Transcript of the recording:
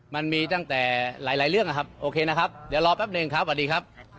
มันมีตั้งแต่หลายเรื่องนะครับโอเคนะครับเดี๋ยวรอแป๊บหนึ่งครับสวัสดีครับ